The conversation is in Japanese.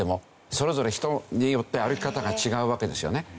それぞれ人によって歩き方が違うわけですよね。